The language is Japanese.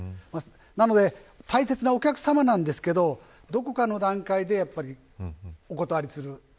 なので、大切なお客さまですがどこかの段階でお断りする。